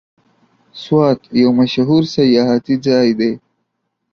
سوات یو مشهور سیاحتي ځای دی.